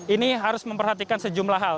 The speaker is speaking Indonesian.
ini harus memperhatikan sejumlah hal